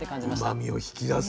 うまみを引き出す。